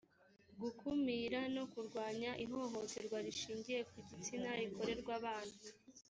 gukumira no kurwanya ihohoterwa rishingiye ku gitsina rikorerwa abana